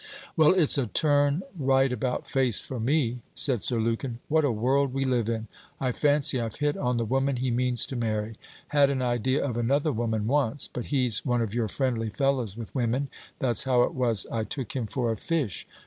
'Well, it's a turn right about face for me,' said Sir Lukin. 'What a world we live in! I fancy I've hit on the woman he means to marry; had an idea of another woman once; but he's one of your friendly fellows with women. That's how it was I took him for a fish.